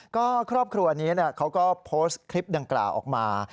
ก็ครอบครัวนี้เขาก็โพสต์คลิปดังกล่าวออกมา